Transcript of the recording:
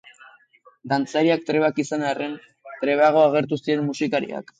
Dantzariak trebeak izan arren, trebeago agertu ziren musikariak.